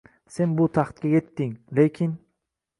Sen bu taxtga yetding, lekin